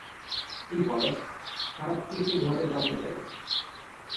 ‘কী হয়? খারাপ কী কী ঘটে জানতে চাই!’